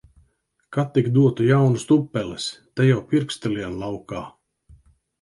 Ka tik dotu jaunas tupeles! Te jau pirksti liek laukā.